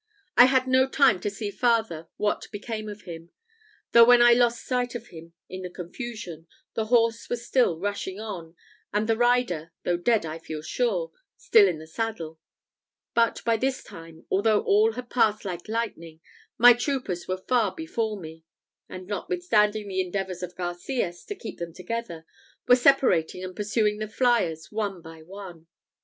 I had no time to see farther what became of him; though, when I lost sight of him in the confusion, the horse was still rushing on, and the rider though dead, I feel sure still in the saddle; but by this time, although all had passed like lightning, my troopers were far before me; and, notwithstanding the endeavours of Garcias to keep them together, were separating and pursuing the fliers one by one.